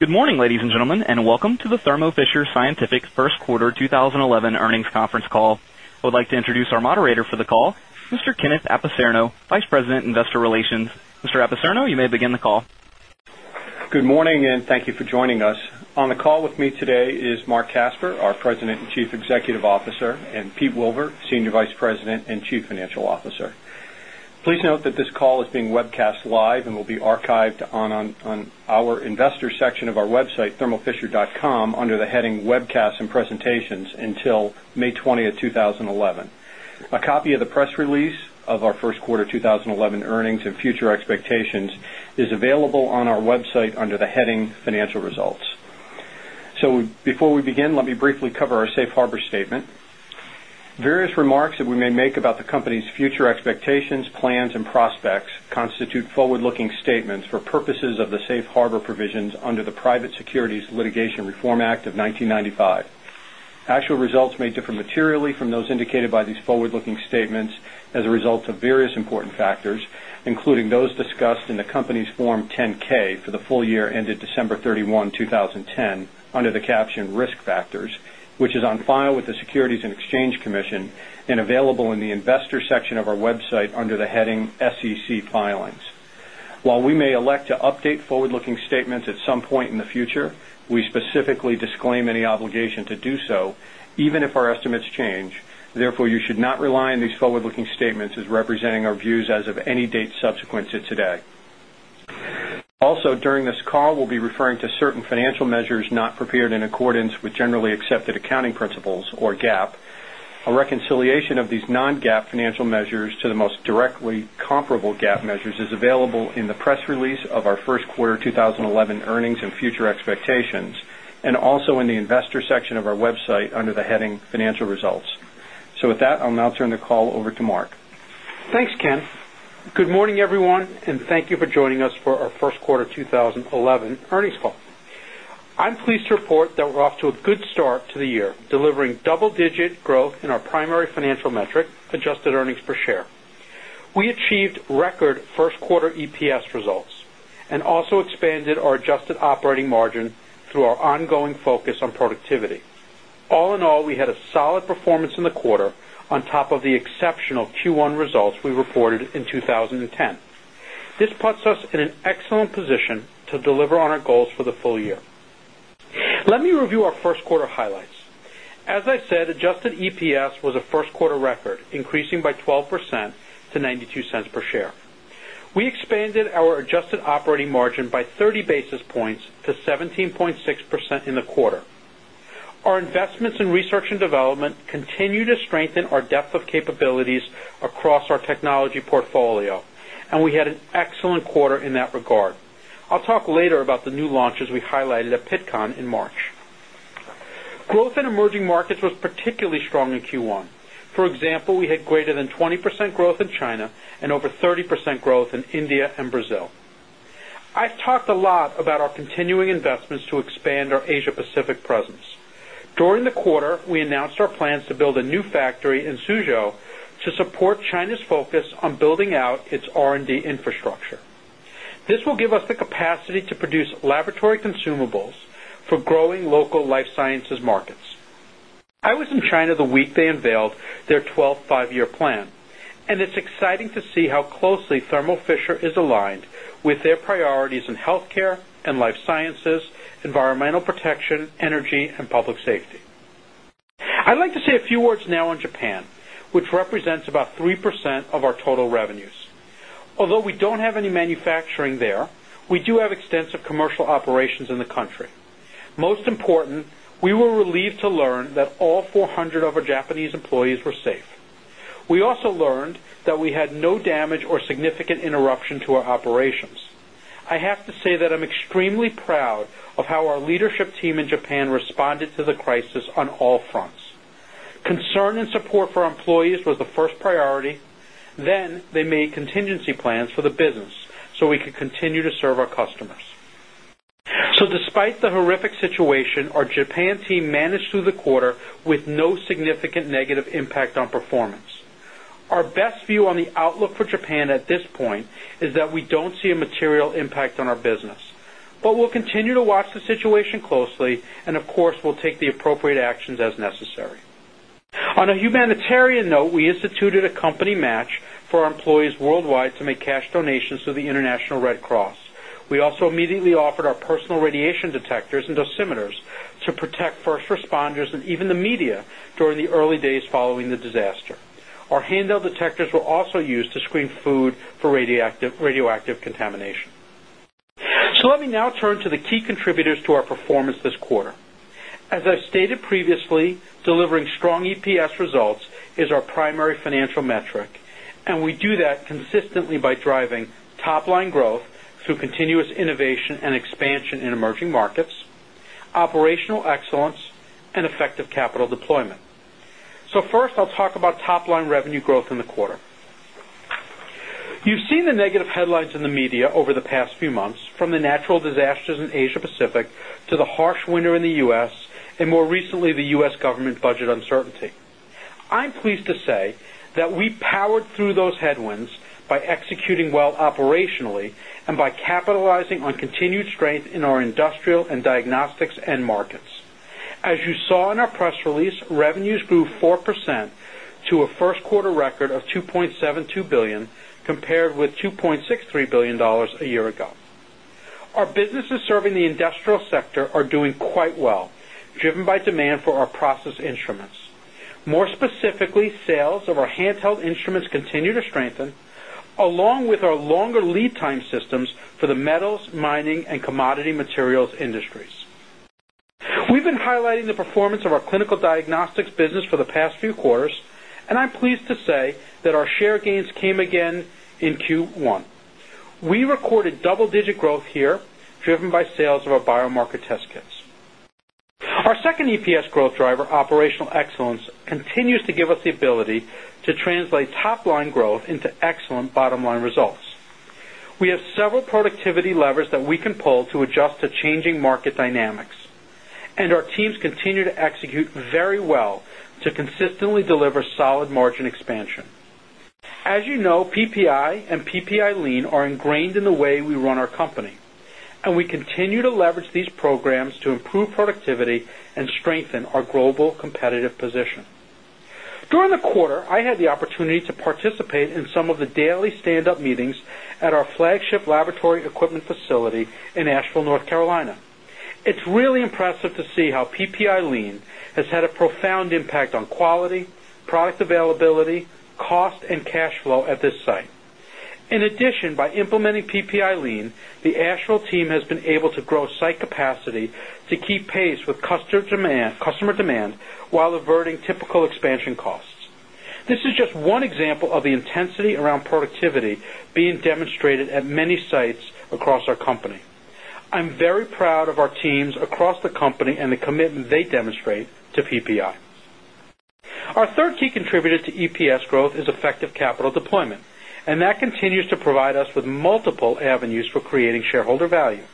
Good morning, ladies and gentlemen, and welcome to the Thermo Fisher Scientific First Quarter 2011 Earnings Conference Call. I would like to introduce our moderator for the call, Mr. Kenneth Apicerno, Vice President, Investor Relations. Mr. Apairceno, you may begin the call. Good morning, and thank you for joining us. On the call with me today is Marc Casper, our President and Chief Executive Officer, and Pete Wilver, Senior Vice President and Chief Financial Officer. Please note that this call is being webcast live and will be archived on our investors' section of our website, thermofisher.com, under the heading "Webcasts and Presentations" until May 20th, 2011. A copy of the press release of our first quarter 2011 earnings and future expectations is available on our website under the heading "Financial Results." Before we begin, let me briefly cover our Safe Harbor statement. Various remarks that we may make about the company's future expectations, plans, and prospects constitute forward-looking statements for purposes of the Safe Harbor provisions under the Private Securities Litigation Reform Act of 1995. Actual results may differ materially from those indicated by these forward-looking statements as a result of various important factors, including those discussed in the company's Form 10-K for the full year ended December 31, 2010, under the caption "Risk Factors," which is on file with the Securities and Exchange Commission and available in the investors' section of our website under the heading "SEC Filings." While we may elect to update forward-looking statements at some point in the future, we specifically disclaim any obligation to do so, even if our estimates change. Therefore, you should not rely on these forward-looking statements as representing our views as of any date subsequent to today. Also, during this call, we'll be referring to certain financial measures not prepared in accordance with generally accepted accounting principles, or GAAP. A reconciliation of these non-GAAP financial measures to the most directly comparable GAAP measures is available in the press release of our first quarter 2011 earnings and future expectations, and also in the investors' section of our website under the heading "Financial Results." With that, I'll now turn the call over to Marc. Thanks, Ken. Good morning, everyone, and thank you for joining us for our First Quarter 2011 Earnings Call. I'm pleased to report that we're off to a good start to the year, delivering double-digit growth in our primary financial metric, adjusted earnings per share. We achieved record first-quarter EPS results and also expanded our adjusted operating margin through our ongoing focus on productivity. All in all, we had a solid performance in the quarter, on top of the exceptional Q1 results we reported in 2010. This puts us in an excellent position to deliver on our goals for the full year. Let me review our first quarter highlights. As I said, adjusted EPS was a first-quarter record, increasing by 12% to $0.92 per share. We expanded our adjusted operating margin by 30 basis points to 17.6% in the quarter. Our investments in research and development continue to strengthen our depth of capabilities across our technology portfolio, and we had an excellent quarter in that regard. I'll talk later about the new launches we highlighted at Pittconn in March. Growth in emerging markets was particularly strong in Q1. For example, we had greater than 20% growth in China and over 30% growth in India and Brazil. I've talked a lot about our continuing investments to expand our Asia-Pacific presence. During the quarter, we announced our plans to build a new factory in Suzhou to support China's focus on building out its R&D infrastructure. This will give us the capacity to produce laboratory consumables for growing local life sciences markets. I was in China the week they unveiled their 12th five-year plan, and it's exciting to see how closely Thermo Fisher is aligned with their priorities in healthcare and life sciences, environmental protection, energy, and public safety. I'd like to say a few words now on Japan, which represents about 3% of our total revenues. Although we don't have any manufacturing there, we do have extensive commercial operations in the country. Most important, we were relieved to learn that all 400 of our Japanese employees were safe. We also learned that we had no damage or significant interruption to our operations. I have to say that I'm extremely proud of how our leadership team in Japan responded to the crisis on all fronts. Concern and support for our employees was the first priority. They made contingency plans for the business so we could continue to serve our customers. Despite the horrific situation, our Japan team managed through the quarter with no significant negative impact on performance. Our best view on the outlook for Japan at this point is that we don't see a material impact on our business, but we'll continue to watch the situation closely, and of course, we'll take the appropriate actions as necessary. On a humanitarian note, we instituted a company match for our employees worldwide to make cash donations to the International Red Cross. We also immediately offered our personal radiation detectors and dosimeters to protect first responders and even the media during the early days following the disaster. Our handheld detectors were also used to screen food for radioactive contamination. Let me now turn to the key contributors to our performance this quarter. As I've stated previously, delivering strong EPS results is our primary financial metric, and we do that consistently by driving top-line growth through continuous innovation and expansion in emerging markets, operational excellence, and effective capital deployment. First, I'll talk about top-line revenue growth in the quarter. You've seen the negative headlines in the media over the past few months, from the natural disasters in Asia-Pacific to the harsh winter in the U.S., and more recently, the U.S. government budget uncertainty. I'm pleased to say that we powered through those headwinds by executing well operationally and by capitalizing on continued strength in our industrial and diagnostics end markets. As you saw in our press release, revenues grew 4% to a first-quarter record of $2.72 billion, compared with $2.63 billion a year ago. Our businesses serving the industrial sector are doing quite well, driven by demand for our process instruments. More specifically, sales of our handheld instruments continue to strengthen, along with our longer lead-time systems for the metals, mining, and commodity materials industries. We've been highlighting the performance of our clinical diagnostics business for the past few quarters, and I'm pleased to say that our share gains came again in Q1. We recorded double-digit growth here, driven by sales of our biomarker test kits. Our second EPS growth driver, operational excellence, continues to give us the ability to translate top-line growth into excellent bottom-line results. We have several productivity levers that we can pull to adjust to changing market dynamics, and our teams continue to execute very well to consistently deliver solid margin expansion. As you know, PPI and PPI Lean are ingrained in the way we run our company, and we continue to leverage these programs to improve productivity and strengthen our global competitive position. During the quarter, I had the opportunity to participate in some of the daily stand-up meetings at our flagship laboratory equipment facility in Asheville, North Carolina. It's really impressive to see how PPI Lean has had a profound impact on quality, product availability, cost, and cash flow at this site. In addition, by implementing PPI Lean, the Asheville team has been able to grow site capacity to keep pace with customer demand while averting typical expansion costs. This is just one example of the intensity around productivity being demonstrated at many sites across our company. I'm very proud of our teams across the company and the commitment they demonstrate to PPI. Our third key contributor to EPS growth is effective capital deployment, and that continues to provide us with multiple avenues for creating shareholder value.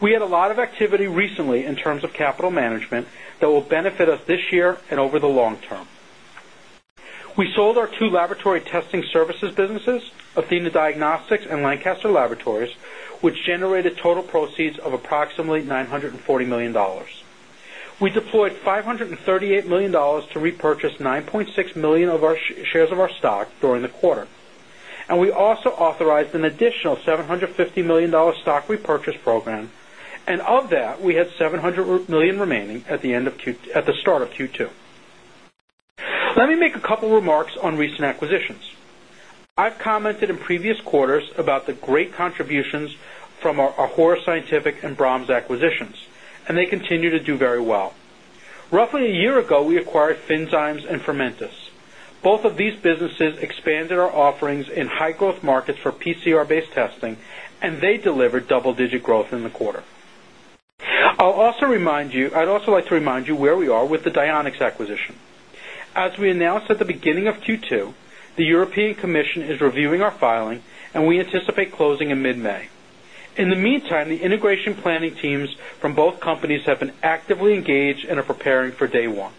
We had a lot of activity recently in terms of capital management that will benefit us this year and over the long term. We sold our two laboratory testing services businesses, Athena Diagnostics and Lancaster Laboratories, which generated total proceeds of approximately $940 million. We deployed $538 million to repurchase 9.6 million of our shares of our stock during the quarter, and we also authorized an additional $750 million stock repurchase program, and of that, we had $700 million remaining at the start of Q2. Let me make a couple of remarks on recent acquisitions. I've commented in previous quarters about the great contributions from our Brahms acquisitions, and they continue to do very well. Roughly a year ago, we acquired Finzymes and Fermentis. Both of these businesses expanded our offerings in high-growth markets for PCR-based testing, and they delivered double-digit growth in the quarter. I'd also like to remind you where we are with the Dionex acquisition. As we announced at the beginning of Q2, the European Commission is reviewing our filing, and we anticipate closing in mid-May. In the meantime, the integration planning teams from both companies have been actively engaged and are preparing for day one.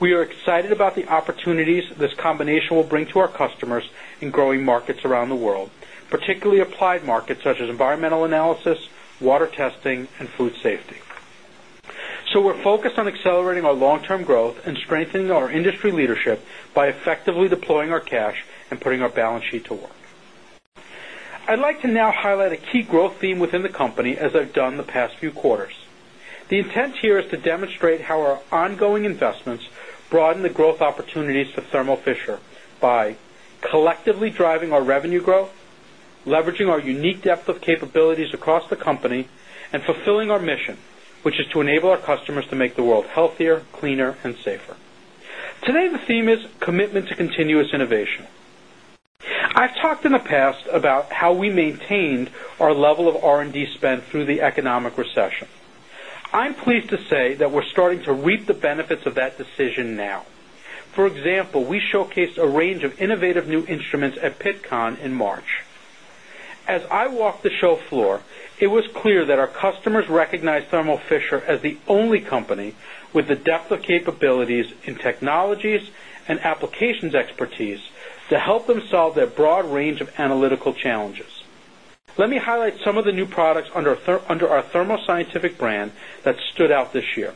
We are excited about the opportunities this combination will bring to our customers in growing markets around the world, particularly applied markets such as environmental analysis, water testing, and food safety. We're focused on accelerating our long-term growth and strengthening our industry leadership by effectively deploying our cash and putting our balance sheet to work. I'd like to now highlight a key growth theme within the company, as I've done the past few quarters. The intent here is to demonstrate how our ongoing investments broaden the growth opportunities for Thermo Fisher by collectively driving our revenue growth, leveraging our unique depth of capabilities across the company, and fulfilling our mission, which is to enable our customers to make the world healthier, cleaner, and safer. Today, the theme is commitment to continuous innovation. I've talked in the past about how we maintained our level of R&D spend through the economic recession. I'm pleased to say that we're starting to reap the benefits of that decision now. For example, we showcased a range of innovative new instruments at Pittcon in March. As I walked the show floor, it was clear that our customers recognized Thermo Fisher as the only company with the depth of capabilities in technologies and applications expertise to help them solve their broad range of analytical challenges. Let me highlight some of the new products under our Thermo Scientific brand that stood out this year.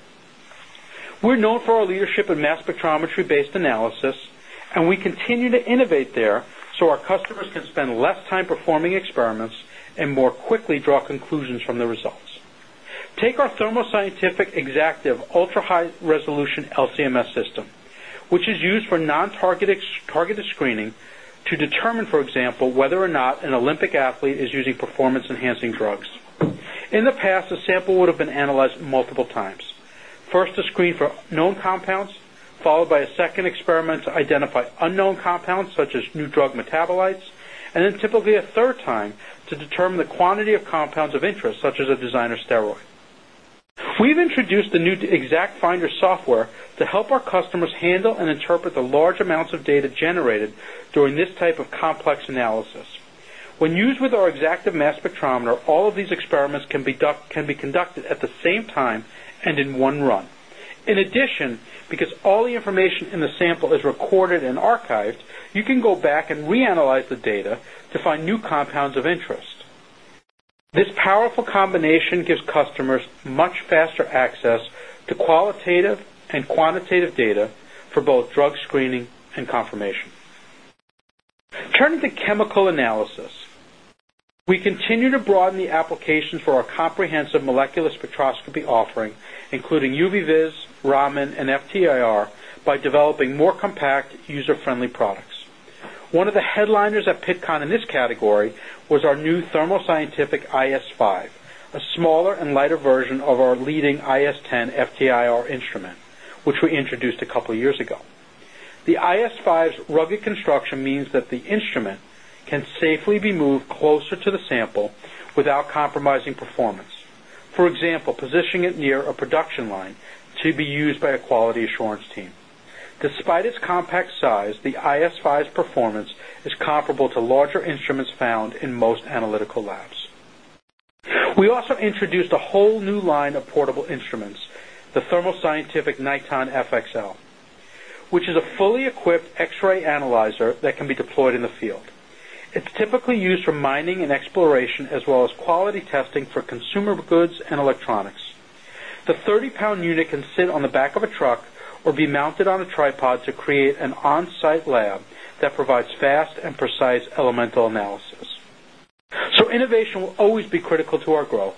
We're known for our leadership in mass spectrometry-based analysis, and we continue to innovate there so our customers can spend less time performing experiments and more quickly draw conclusions from the results. Take our Thermo Scientific Exactive Ultra High Resolution LCMS system, which is used for non-targeted screening to determine, for example, whether or not an Olympic athlete is using performance-enhancing drugs. In the past, a sample would have been analyzed multiple times. First, a screen for known compounds, followed by a second experiment to identify unknown compounds, such as new drug metabolites, and then typically a third time to determine the quantity of compounds of interest, such as a designer steroid. We've introduced the new ExactFinder software to help our customers handle and interpret the large amounts of data generated during this type of complex analysis. When used with our Exactive mass spectrometer, all of these experiments can be conducted at the same time and in one run. In addition, because all the information in the sample is recorded and archived, you can go back and reanalyze the data to find new compounds of interest. This powerful combination gives customers much faster access to qualitative and quantitative data for both drug screening and confirmation. Turning to chemical analysis, we continue to broaden the applications for our comprehensive molecular spectroscopy offering, including UV-VIS, Raman, and FTIR, by developing more compact, user-friendly products. One of the headliners at Pittcon in this category was our new Thermo Scientific iS-5, a smaller and lighter version of our leading iS-10 FTIR instrument, which we introduced a couple of years ago. The iS-5's rugged construction means that the instrument can safely be moved closer to the sample without compromising performance. For example, positioning it near a production line to be used by a quality assurance team. Despite its compact size, the iS-5's performance is comparable to larger instruments found in most analytical labs. We also introduced a whole new line of portable instruments, the Thermo Scientific Niton FXL, which is a fully equipped X-ray analyzer that can be deployed in the field. It's typically used for mining and exploration, as well as quality testing for consumer goods and electronics. The 30-pound unit can sit on the back of a truck or be mounted on a tripod to create an on-site lab that provides fast and precise elemental analysis. Innovation will always be critical to our growth,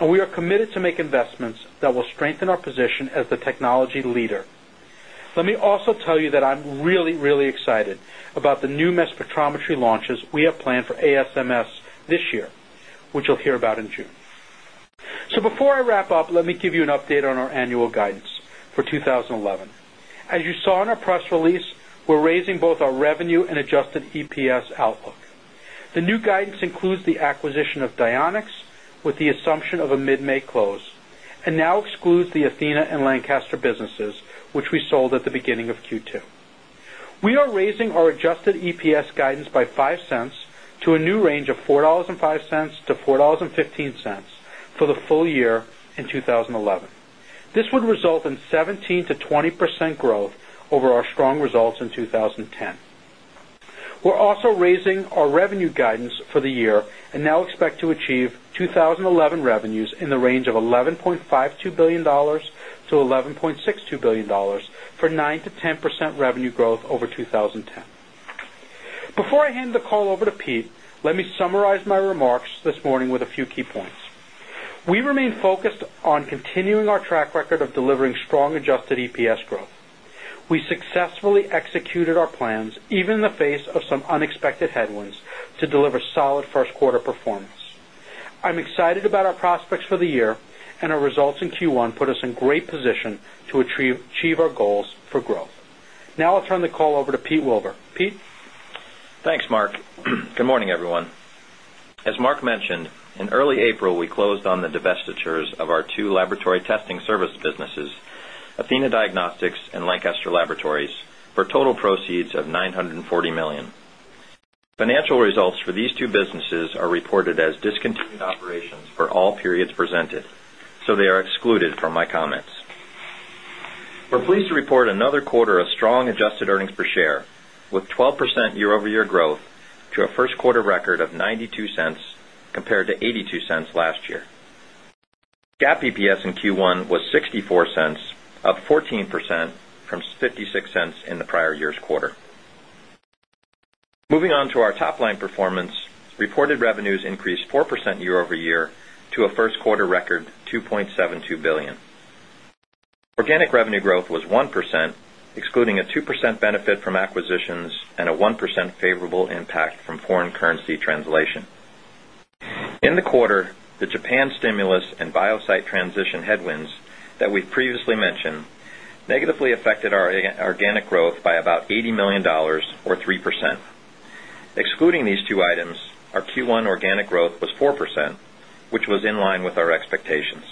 and we are committed to make investments that will strengthen our position as the technology leader. Let me also tell you that I'm really, really excited about the new mass spectrometry launches we have planned for ASMS this year, which you'll hear about in June. Before I wrap up, let me give you an update on our annual guidance for 2011. As you saw in our press release, we're raising both our revenue and adjusted EPS outlook. The new guidance includes the acquisition of Dionex, with the assumption of a mid-May close, and now excludes the Athena and Lancaster businesses, which we sold at the beginning of Q2. We are raising our adjusted EPS guidance by $0.05 to a new range of $4.05-$4.15 for the full year in 2011. This would result in 17%-20% growth over our strong results in 2010. We're also raising our revenue guidance for the year and now expect to achieve 2011 revenues in the range of $11.52 billion-$11.62 billion for 9%-10% revenue growth over 2010. Before I hand the call over to Pete, let me summarize my remarks this morning with a few key points. We remain focused on continuing our track record of delivering strong adjusted EPS growth. We successfully executed our plans, even in the face of some unexpected headwinds, to deliver solid first-quarter performance. I'm excited about our prospects for the year, and our results in Q1 put us in a great position to achieve our goals for growth. Now I'll turn the call over to Pete Wilver. Pete. Thanks, Marc. Good morning, everyone. As Marc mentioned, in early April, we closed on the divestitures of our two laboratory testing service businesses, Athena Diagnostics and Lancaster Laboratories, for total proceeds of $940 million. Financial results for these two businesses are reported as discontinued operations for all periods presented, so they are excluded from my comments. We're pleased to report another quarter of strong adjusted earnings per share, with 12% year-over-year growth to a first-quarter record of $0.92 compared to $0.82 last year. GAAP EPS in Q1 was $0.64, up 14% from $0.56 in the prior year's quarter. Moving on to our top-line performance, reported revenues increased 4% year-over-year to a first-quarter record $2.72 billion. Organic revenue growth was 1%, excluding a 2% benefit from acquisitions and a 1% favorable impact from foreign currency translation. In the quarter, the Japan stimulus and biosite transition headwinds that we've previously mentioned negatively affected our organic growth by about $80 million, or 3%. Excluding these two items, our Q1 organic growth was 4%, which was in line with our expectations.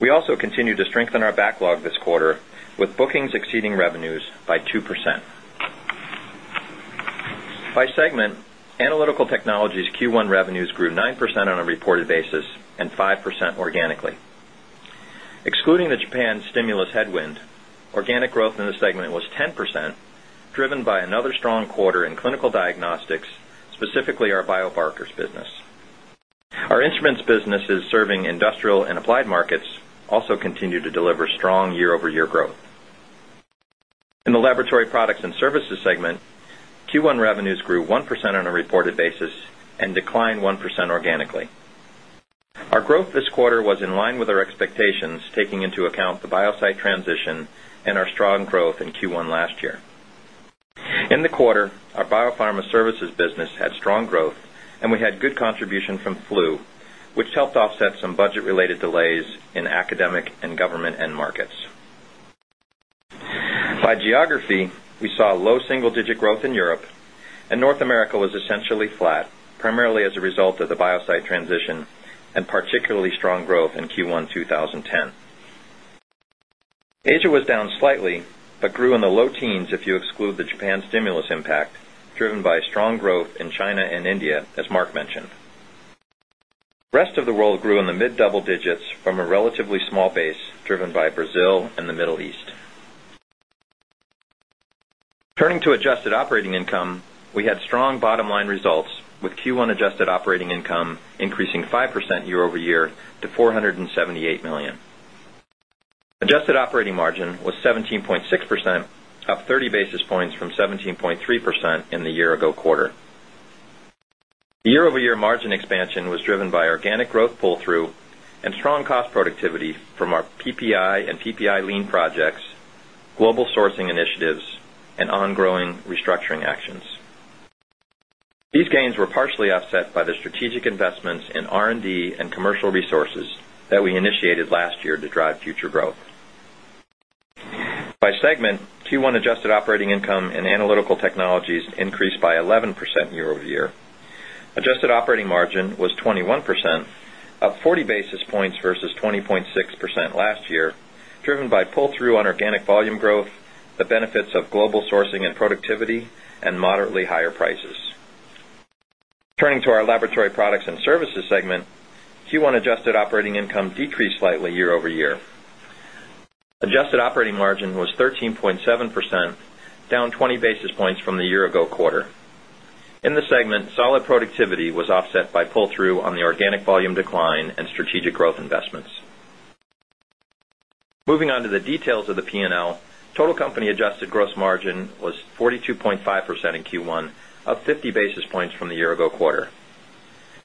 We also continued to strengthen our backlog this quarter, with bookings exceeding revenues by 2%. By segment, analytical technologies' Q1 revenues grew 9% on a reported basis and 5% organically. Excluding the Japan stimulus headwind, organic growth in the segment was 10%, driven by another strong quarter in clinical diagnostics, specifically our bio-barcars business. Our instruments businesses serving industrial and applied markets also continue to deliver strong year-over-year growth. In the laboratory products and services segment, Q1 revenues grew 1% on a reported basis and declined 1% organically. Our growth this quarter was in line with our expectations, taking into account the biosite transition and our strong growth in Q1 last year. In the quarter, our BioPharma Services business had strong growth, and we had good contribution from flu, which helped offset some budget-related delays in academic and government end markets. By geography, we saw low single-digit growth in Europe, and North America was essentially flat, primarily as a result of the biosite transition and particularly strong growth in Q1 2010. Asia was down slightly but grew in the low teens if you exclude the Japan stimulus impact, driven by strong growth in China and India, as Marc mentioned. The rest of the world grew in the mid-double digits from a relatively small base, driven by Brazil and the Middle East. Turning to adjusted operating income, we had strong bottom-line results, with Q1 adjusted operating income increasing 5% year-over-year to $478 million. Adjusted operating margin was 17.6%, up 30 basis points from 17.3% in the year-ago quarter. The year-over-year margin expansion was driven by organic growth pull-through and strong cost productivity from our PPI and PPI Lean projects, global sourcing initiatives, and ongoing restructuring actions. These gains were partially offset by the strategic investments in R&D and commercial resources that we initiated last year to drive future growth. By segment, Q1 adjusted operating income in analytical technologies increased by 11% year-over-year. Adjusted operating margin was 21%, up 40 basis points versus 20.6% last year, driven by pull-through on organic volume growth, the benefits of global sourcing and productivity, and moderately higher prices. Turning to our laboratory products and services segment, Q1 adjusted operating income decreased slightly year-over-year. Adjusted operating margin was 13.7%, down 20 basis points from the year-ago quarter. In the segment, solid productivity was offset by pull-through on the organic volume decline and strategic growth investments. Moving on to the details of the P&L, total company adjusted gross margin was 42.5% in Q1, up 50 basis points from the year-ago quarter.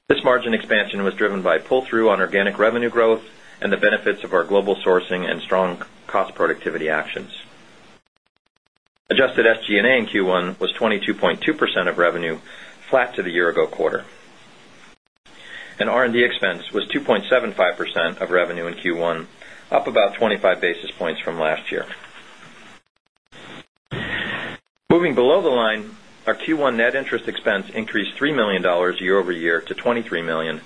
This margin expansion was driven by pull-through on organic revenue growth and the benefits of our global sourcing and strong cost productivity actions. Adjusted SG&A in Q1 was 22.2% of revenue, flat to the year-ago quarter. R&D expense was 2.75% of revenue in Q1, up about 25 basis points from last year. Moving below the line, our Q1 net interest expense increased $3 million year-over-year to $23 million,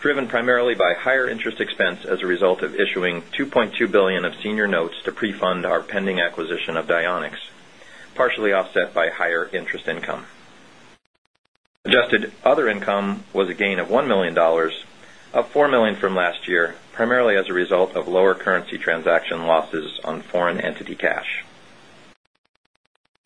driven primarily by higher interest expense as a result of issuing $2.2 billion of senior notes to pre-fund our pending acquisition of Dionex, partially offset by higher interest income. Adjusted other income was a gain of $1 million, up $4 million from last year, primarily as a result of lower currency transaction losses on foreign entity cash.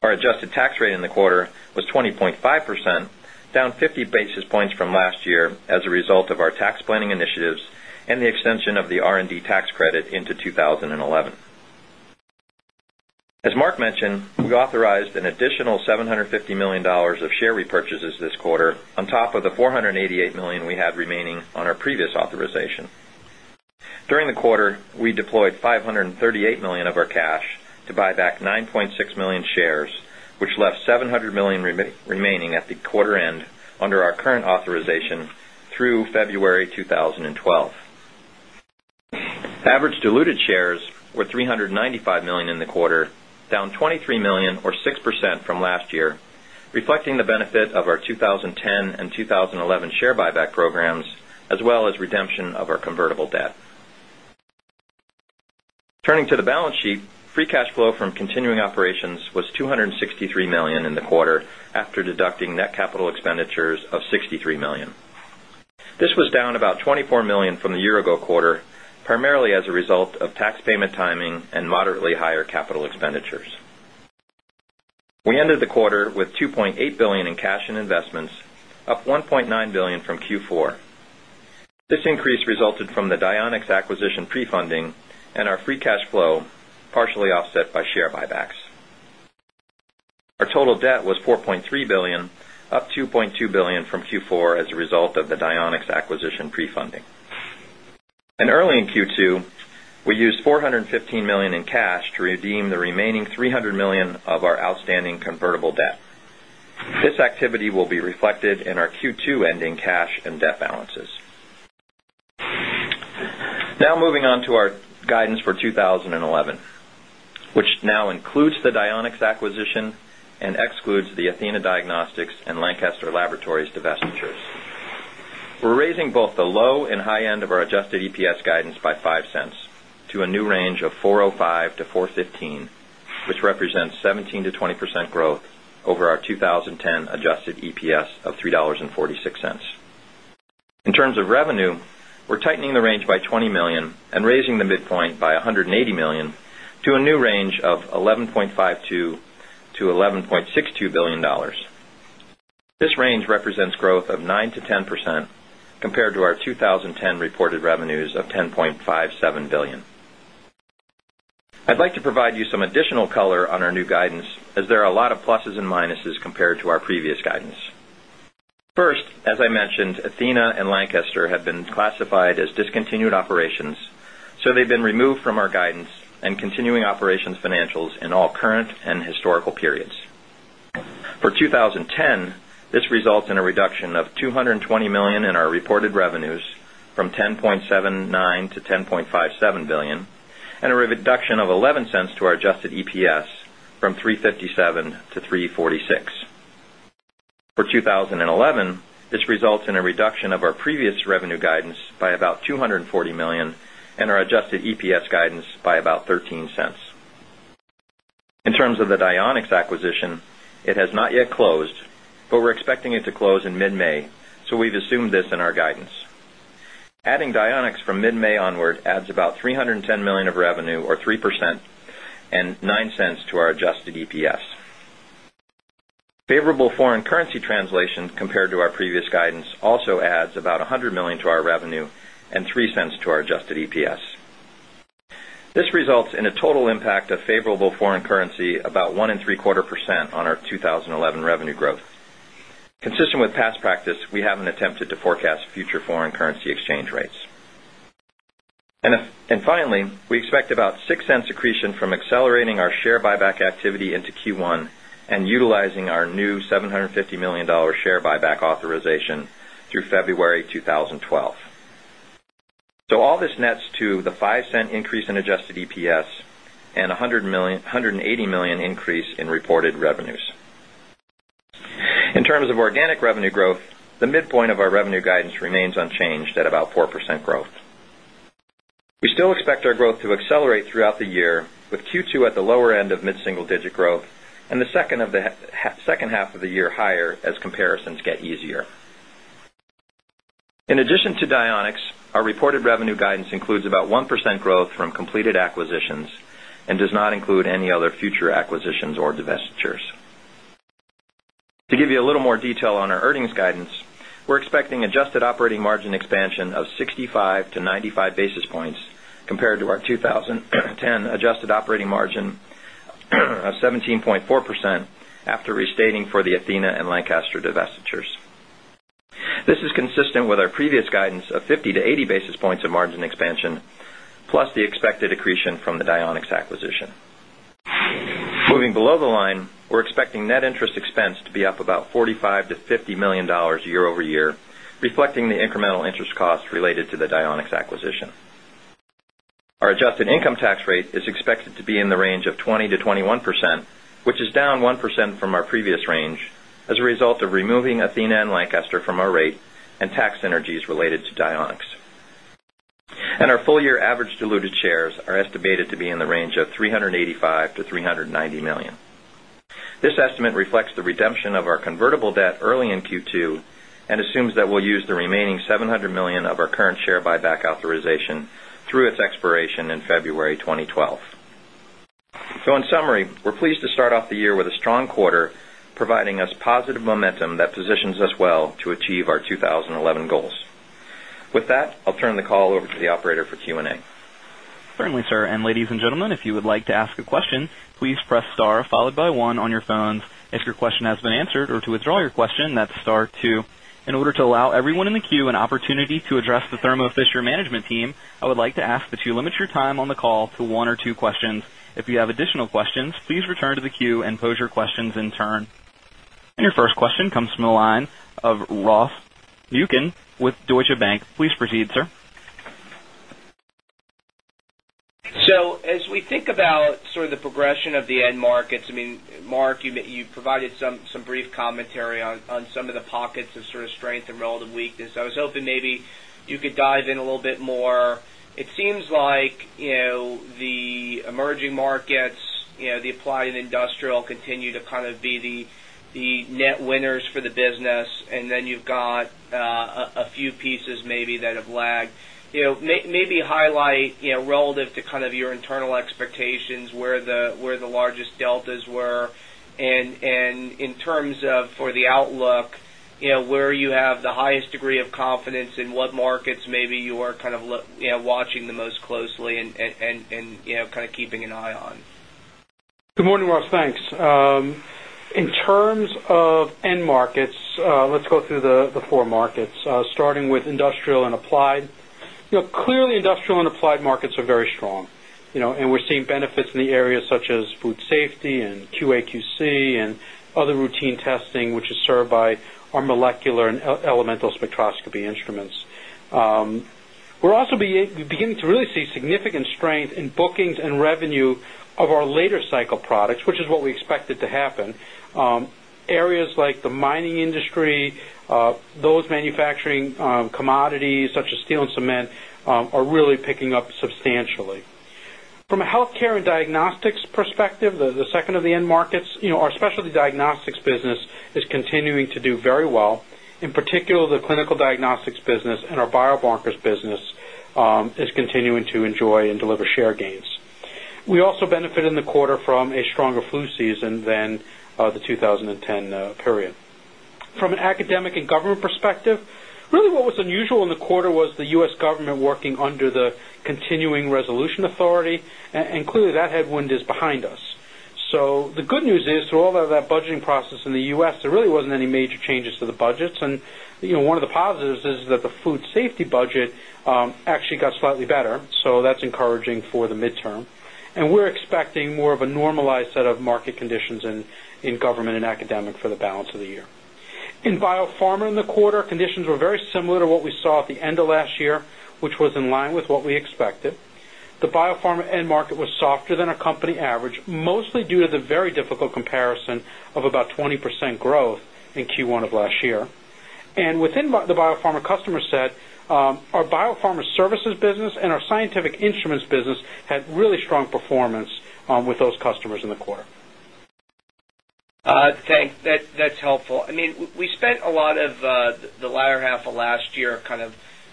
Our adjusted tax rate in the quarter was 20.5%, down 50 basis points from last year as a result of our tax planning initiatives and the extension of the R&D tax credit into 2011. As Marc mentioned, we authorized an additional $750 million of share repurchases this quarter, on top of the $488 million we had remaining on our previous authorization. During the quarter, we deployed $538 million of our cash to buy back 9.6 million shares, which left $700 million remaining at the quarter end under our current authorization through February 2012. Average diluted shares were 395 million in the quarter, down 23 million, or 6% from last year, reflecting the benefit of our 2010 and 2011 share buyback programs, as well as redemption of our convertible debt. Turning to the balance sheet, free cash flow from continuing operations was $263 million in the quarter, after deducting net capital expenditures of $63 million. This was down about $24 million from the year-ago quarter, primarily as a result of tax payment timing and moderately higher capital expenditures. We ended the quarter with $2.8 billion in cash and investments, up $1.9 billion from Q4. This increase resulted from the Dionex acquisition pre-funding and our free cash flow, partially offset by share buybacks. Our total debt was $4.3 billion, up $2.2 billion from Q4 as a result of the Dionex acquisition pre-funding. Early in Q2, we used $415 million in cash to redeem the remaining $300 million of our outstanding convertible debt. This activity will be reflected in our Q2 ending cash and debt balances. Now moving on to our guidance for 2011, which now includes the Dionex acquisition and excludes the Athena Diagnostics and Lancaster Laboratories divestitures. We're raising both the low and high end of our adjusted EPS guidance by $0.05 to a new range of $4.05-$4.15, which represents 17%-20% growth over our 2010 adjusted EPS of $3.46. In terms of revenue, we're tightening the range by $20 million and raising the midpoint by $180 million to a new range of $11.52 billion-$11.62 billion. This range represents growth of 9%-10% compared to our 2010 reported revenues of $10.57 billion. I'd like to provide you some additional color on our new guidance, as there are a lot of pluses and minuses compared to our previous guidance. First, as I mentioned, Athena and Lancaster have been classified as discontinued operations, so they've been removed from our guidance and continuing operations financials in all current and historical periods. For 2010, this results in a reduction of $220 million in our reported revenues from $10.79 billion-$10.57 billion, and a reduction of $0.11 to our adjusted EPS from $3.57-$3.46. For 2011, this results in a reduction of our previous revenue guidance by about $240 million and our adjusted EPS guidance by about $0.13. In terms of the Dionex acquisition, it has not yet closed, but we're expecting it to close in mid-May, so we've assumed this in our guidance. Adding Dionex from mid-May onward adds about $310 million of revenue, or 3%, and $0.09 to our adjusted EPS. Favorable foreign currency translation compared to our previous guidance also adds about $100 million to our revenue and $0.03 to our adjusted EPS. This results in a total impact of favorable foreign currency about 1% and 0.75% on our 2011 revenue growth. Consistent with past practice, we haven't attempted to forecast future foreign currency exchange rates. Finally, we expect about $0.06 accretion from accelerating our share buyback activity into Q1 and utilizing our new $750 million share buyback authorization through February 2012. All this nets to the $0.05 increase in adjusted EPS and $180 million increase in reported revenues. In terms of organic revenue growth, the midpoint of our revenue guidance remains unchanged at about 4% growth. We still expect our growth to accelerate throughout the year, with Q2 at the lower end of mid-single-digit growth and the second half of the year higher as comparisons get easier. In addition to Dionex, our reported revenue guidance includes about 1% growth from completed acquisitions and does not include any other future acquisitions or divestitures. To give you a little more detail on our earnings guidance, we're expecting adjusted operating margin expansion of 65-95 basis points compared to our 2010 adjusted operating margin of 17.4% after restating for the Athena and Lancaster divestitures. This is consistent with our previous guidance of 50-80 basis points of margin expansion, plus the expected accretion from the Dionex acquisition. Moving below the line, we're expecting net interest expense to be up about $45 million-$50 million year-over-year, reflecting the incremental interest costs related to the Dionex acquisition. Our adjusted income tax rate is expected to be in the range of 20%-21%, which is down 1% from our previous range as a result of removing Athena and Lancaster from our rate and tax synergies related to Dionex. Our full-year average diluted shares are estimated to be in the range of $385 million-$390 million. This estimate reflects the redemption of our convertible debt early in Q2 and assumes that we'll use the remaining $700 million of our current share buyback authorization through its expiration in February 2012. In summary, we're pleased to start off the year with a strong quarter, providing us positive momentum that positions us well to achieve our 2011 goals. With that, I'll turn the call over to the operator for Q&A. Certainly, sir, and ladies and gentlemen, if you would like to ask a question, please press star followed by one on your phones. If your question has been answered or to withdraw your question, that's star two. In order to allow everyone in the queue an opportunity to address the Thermo Fisher Management team, I would like to ask that you limit your time on the call to one or two questions. If you have additional questions, please return to the queue and pose your questions in turn. Your first question comes from the line of Ross Muken with Deutsche Bank. Please proceed, sir. As we think about the progression of the end markets, Marc, you provided some brief commentary on some of the pockets of strength and relative weakness. I was hoping maybe you could dive in a little bit more. It seems like the emerging markets, the applied and industrial continue to be the net winners for the business, and then you've got a few pieces maybe that have lagged. Maybe highlight, relative to your internal expectations, where the largest deltas were, and in terms of the outlook, where you have the highest degree of confidence in what markets you are watching the most closely and kind of keeping an eye on. Good morning, Ross. Thanks. In terms of end markets, let's go through the four markets, starting with industrial and applied. Clearly, industrial and applied markets are very strong, and we're seeing benefits in areas such as food safety and QA/QC and other routine testing, which is served by our molecular and elemental spectroscopy instruments. We begin to really see significant strength in bookings and revenue of our later cycle products, which is what we expected to happen. Areas like the mining industry, those manufacturing commodities such as steel and cement, are really picking up substantially. From a healthcare and diagnostics perspective, the second of the end markets, our specialty diagnostics business is continuing to do very well. In particular, the clinical diagnostics business and our bio-markers business is continuing to enjoy and deliver share gains. We also benefited in the quarter from a stronger flu season than the 2010 period. From an academic and government perspective, what was unusual in the quarter was the U.S. government working under the continuing resolution authority, and clearly that headwind is behind us. The good news is through all of that budgeting process in the U.S., there really weren't any major changes to the budgets, and one of the positives is that the food safety budget actually got slightly better, so that's encouraging for the midterm. We're expecting more of a normalized set of market conditions in government and academic for the balance of the year. In BioPharma in the quarter, conditions were very similar to what we saw at the end of last year, which was in line with what we expected. The BioPharma end market was softer than our company average, mostly due to the very difficult comparison of about 20% growth in Q1 of last year. Within the BioPharma customer set, our BioPharma Services business and our scientific instruments business had really strong performance with those customers in the quarter. Thanks. That's helpful. We spent a lot of the latter half of last year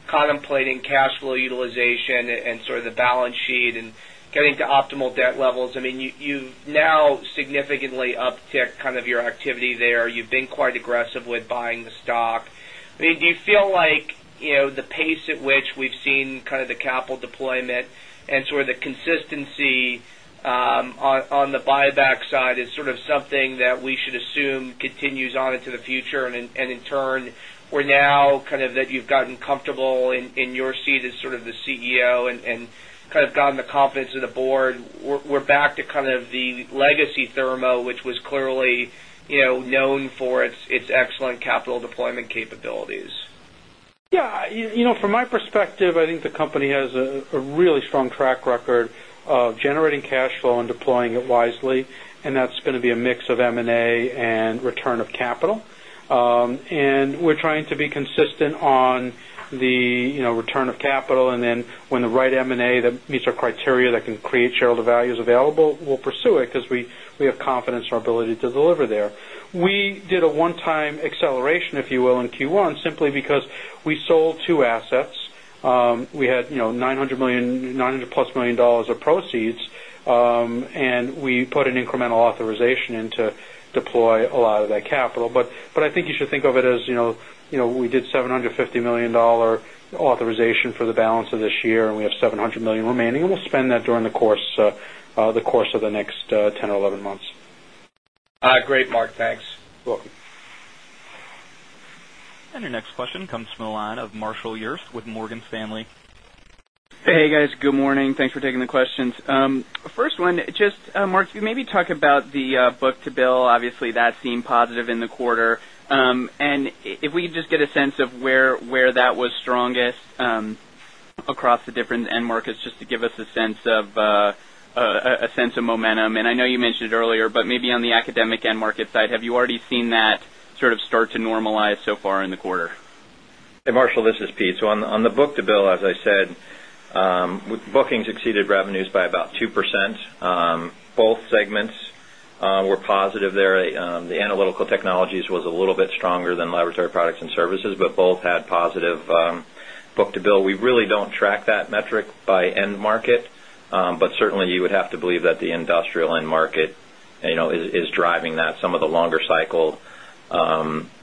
contemplating cash flow utilization and the balance sheet and getting to optimal debt levels. You've now significantly upticked your activity there. You've been quite aggressive with buying the stock. Do you feel like the pace at which we've seen the capital deployment and the consistency on the buyback side is something that we should assume continues on into the future? In turn, now that you've gotten comfortable in your seat as the CEO and gotten the confidence of the board, we're back to the legacy Thermo, which was clearly known for its excellent capital deployment capabilities? From my perspective, I think the company has a really strong track record of generating cash flow and deploying it wisely, and that's going to be a mix of M&A and return of capital. We're trying to be consistent on the return of capital, and then when the right M&A that meets our criteria that can create shareholder value is available, we'll pursue it because we have confidence in our ability to deliver there. We did a one-time acceleration, if you will, in Q1 simply because we sold two assets. We had $900 million, $900+ million of proceeds, and we put an incremental authorization in to deploy a lot of that capital. I think you should think of it as we did $750 million authorization for the balance of this year, and we have $700 million remaining, and we'll spend that during the course of the next 10 or 11 months. Great, Marc. Thanks. You're welcome. Your next question comes from the line of Marshall Urist with Morgan Stanley. Hey, guys. Good morning. Thanks for taking the questions. First one, just, Marc, could you maybe talk about the book-to-bill? Obviously, that seemed positive in the quarter. If we could just get a sense of where that was strongest across the different end markets, just to give us a sense of momentum. I know you mentioned it earlier, but maybe on the academic end market side, have you already seen that sort of start to normalize so far in the quarter? Hey, Marshall. This is Pete. On the book-to-bill, as I said, bookings exceeded revenues by about 2%. Both segments were positive there. The analytical technologies was a little bit stronger than laboratory products and services, but both had positive book-to-bill. We really don't track that metric by end market, but certainly, you would have to believe that the industrial end market is driving that. Some of the longer cycle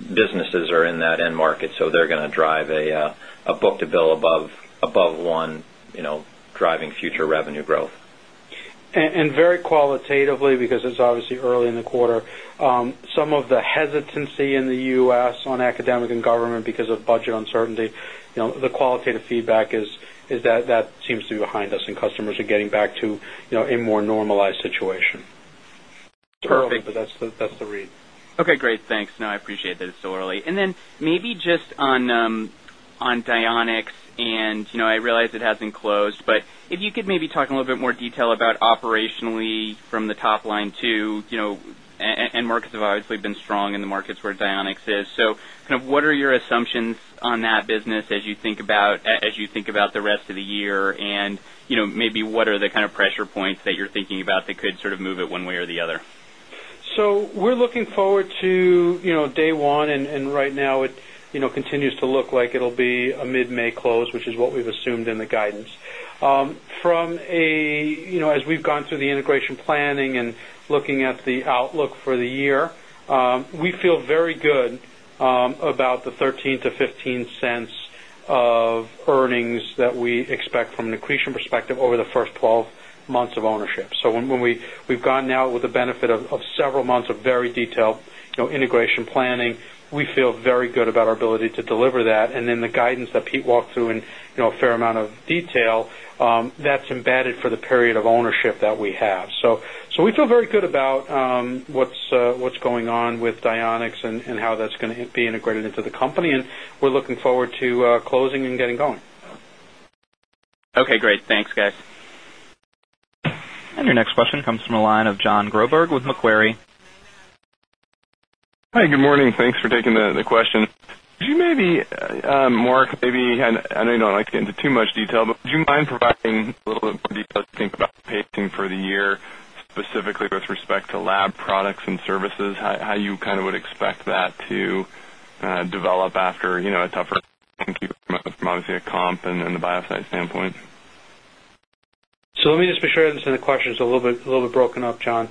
businesses are in that end market, so they're going to drive a book-to-bill above one, driving future revenue growth. Very qualitatively, because it's obviously early in the quarter, some of the hesitancy in the U.S. on academic and government because of budget uncertainty, the qualitative feedback is that that seems to be behind us, and customers are getting back to a more normalized situation. Perfect. That is the read. Okay, great. Thanks. I appreciate that it's so early. Maybe just on Dionex, I realize it hasn't closed, but if you could maybe talk in a little bit more detail about operationally from the top line too, you know, end markets have obviously been strong in the markets where Dionex is. What are your assumptions on that business as you think about the rest of the year, and maybe what are the kind of pressure points that you're thinking about that could sort of move it one way or the other? We're looking forward to day one, and right now it continues to look like it'll be a mid-May close, which is what we've assumed in the guidance. As we've gone through the integration planning and looking at the outlook for the year, we feel very good about the $0.13-$0.15 of earnings that we expect from an accretion perspective over the first 12 months of ownership. When we've gone now with the benefit of several months of very detailed integration planning, we feel very good about our ability to deliver that. The guidance that Pete walked through in a fair amount of detail is embedded for the period of ownership that we have. We feel very good about what's going on with Dionex and how that's going to be integrated into the company, and we're looking forward to closing and getting going. Okay, great. Thanks, guys. Your next question comes from a line of Jon Groberg with McQuarrie. Hi, good morning. Thanks for taking the question. Could you maybe, Marc, I know you don't like to get into too much detail, but would you mind providing a little bit more detail to think about pacing for the year, specifically with respect Lab Products and Services, how you kind of would expect that to develop after a tougher month from obviously a comp and the biopsy standpoint? Let me just make sure I understand the question. It's a little bit broken up, Jon.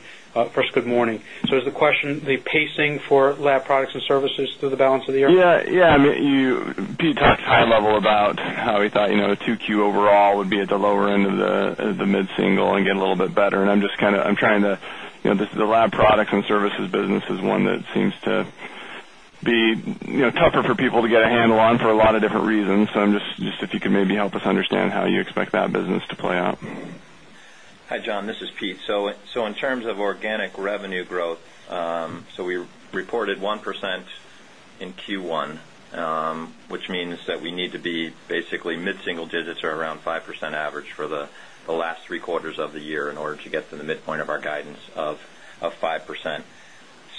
First, good morning. Is the question the pacing Lab Products and Services through the balance of the year? Yeah, I mean, you, Pete talked high-level about how he thought, you know, 2Q overall would be at the lower end of the mid-single and get a little bit better. I'm just kind of, I'm trying to, you know, Lab Products and Services business is one that seems to be tougher for people to get a handle on for a lot of different reasons. If you could maybe help us understand how you expect that business to play out. Hi, Jon. This is Pete. In terms of organic revenue growth, we reported 1% in Q1, which means that we need to be basically mid-single digits or around 5% average for the last three quarters of the year in order to get to the midpoint of our guidance of 5%.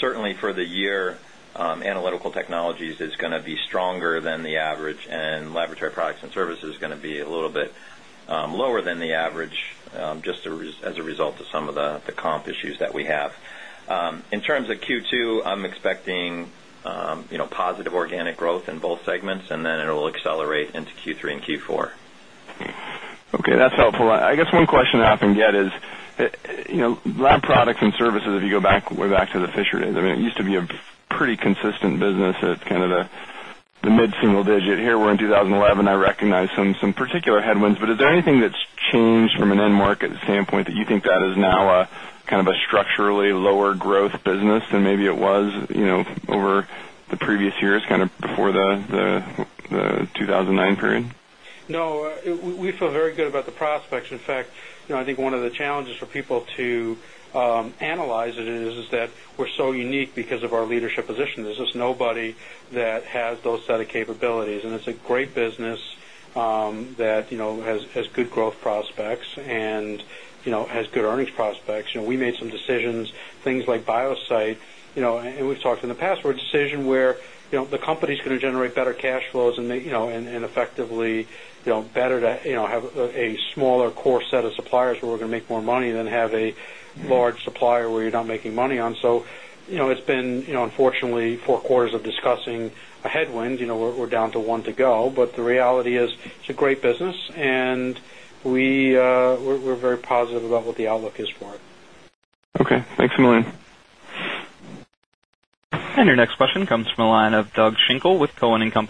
Certainly, for the year, analytical technologies is going to be stronger than the average, and laboratory products and services is going to be a little bit lower than the average just as a result of some of the comp issues that we have. In terms of Q2, I'm expecting positive organic growth in both segments, and then it'll accelerate into Q3 and Q4. Okay, that's helpful. I guess one question that often gets is, you Lab Products and Services, if you go back way back to the Fisher, I mean, it used to be a pretty consistent business at kind of the mid-single digit. Here we're in 2011, I recognize some particular headwinds, but is there anything that's changed from an end market standpoint that you think that is now a kind of a structurally lower growth business than maybe it was, you know, over the previous years kind of before the 2009 period? No, we feel very good about the prospects. In fact, I think one of the challenges for people to analyze it is that we're so unique because of our leadership position. There's just nobody that has those set of capabilities, and it's a great business that has good growth prospects and has good earnings prospects. We made some decisions, things like biopsy, and we've talked in the past, were a decision where the company's going to generate better cash flows and effectively, better to have a smaller core set of suppliers where we're going to make more money than have a large supplier where you're not making money on. It's been, unfortunately, four quarters of discussing a headwind, we're down to one to go, but the reality is it's a great business, and we're very positive about what the outlook is for it. Okay, thanks, Marc. Your next question comes from a line of Doug Schenkel with Cowen & Co.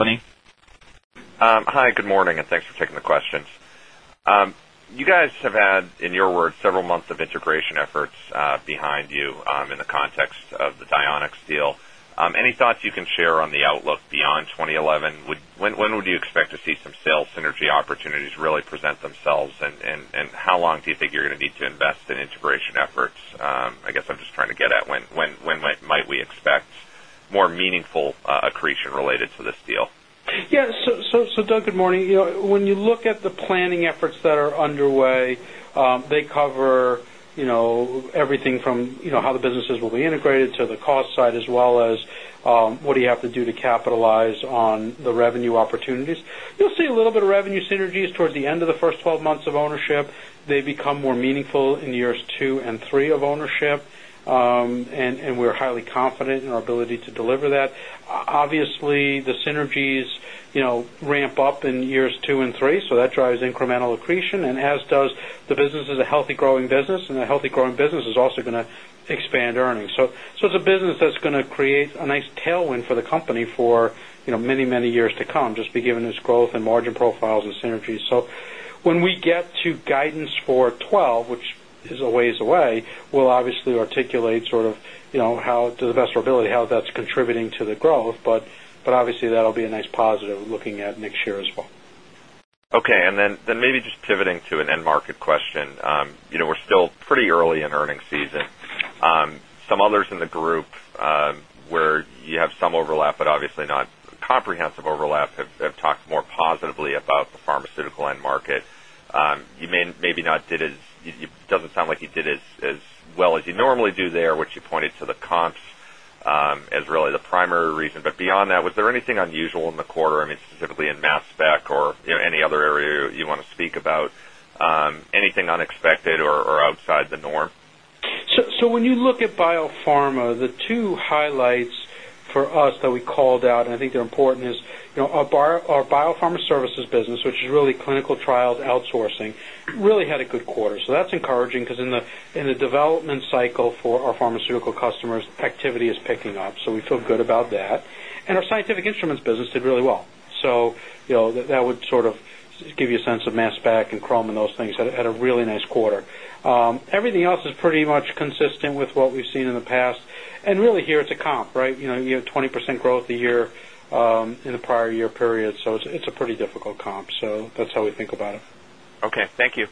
Hi, good morning, and thanks for taking the questions. You guys have had, in your words, several months of integration efforts behind you in the context of the Dionex deal. Any thoughts you can share on the outlook beyond 2011? When would you expect to see some sales synergy opportunities really present themselves, and how long do you think you're going to need to invest in integration efforts? I guess I'm just trying to get at when might we expect more meaningful accretion related to this deal? Yeah, so, Doug, good morning. When you look at the planning efforts that are underway, they cover everything from how the businesses will be integrated to the cost side, as well as what you have to do to capitalize on the revenue opportunities. You'll see a little bit of revenue synergies towards the end of the first 12 months of ownership. They become more meaningful in years two and three of ownership, and we're highly confident in our ability to deliver that. Obviously, the synergies ramp up in years two and three, so that drives incremental accretion, as does the business being a healthy growing business, and a healthy growing business is also going to expand earnings. It's a business that's going to create a nice tailwind for the company for many, many years to come, just given its growth and margin profiles and synergies. When we get to guidance for 2012, which is a ways away, we'll obviously articulate, to the best of our ability, how that's contributing to the growth, but that'll be a nice positive looking at next year as well. Okay, and then maybe just pivoting to an end market question. We're still pretty early in earnings season. Some others in the group, where you have some overlap, but obviously not comprehensive overlap, have talked more positively about the pharmaceutical end market. You maybe not did as, it doesn't sound like you did as well as you normally do there, which you pointed to the comps as really the primary reason. Beyond that, was there anything unusual in the quarter? I mean, specifically in mass spec or any other area you want to speak about? Anything unexpected or outside the norm? When you look at BioPharma, the two highlights for us that we called out, and I think they're important, is, you know, our BioPharma Services business, which is really clinical trialed outsourcing, really had a good quarter. That's encouraging because in the development cycle for our pharmaceutical customers, activity is picking up, so we feel good about that. Our scientific instruments business did really well. That would sort of give you a sense of mass spec and chrome and those things had a really nice quarter. Everything else is pretty much consistent with what we've seen in the past, and really here, it's a comp, right? You know, you have 20% growth a year in the prior year period, so it's a pretty difficult comp, so that's how we think about it. Okay, thank you.